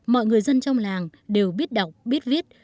mọi người dân trong làng đều biết đọc biết viết